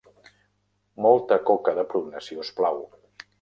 Molta coca de pruna, si us plau.